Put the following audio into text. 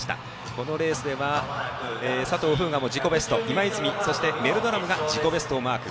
このレースでは佐藤風雅も自己ベスト今泉、メルドラムが自己ベストをマーク。